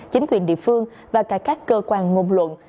chính quyền địa phương và cả các cơ quan ngôn luận